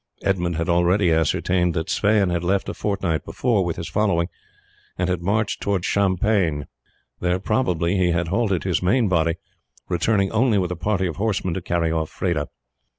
Edmund had already ascertained that Sweyn had left a fortnight before with his following, and had marched towards Champagne. There probably he had halted his main body, returning only with a party of horsemen to carry off Freda.